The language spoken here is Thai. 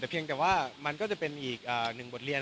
แต่เพียงแต่ว่ามันก็จะเป็นอีกหนึ่งบทเรียน